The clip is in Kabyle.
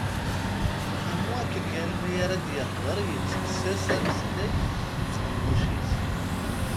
Am wakken yal mi ara d-yehder yettekkes-as ameslay deg uqemmuc-is.